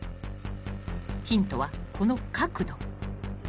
［ヒントはこの角度］